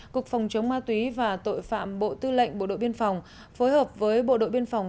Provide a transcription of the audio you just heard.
cục phòng chống ma túy và tội phạm bộ tư lệnh bộ đội biên phòng phối hợp với bộ đội biên phòng